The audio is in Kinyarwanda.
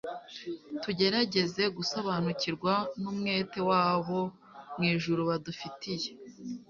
Tugerageze gusobanukirwa numwete wabo mw ijuru badufitiye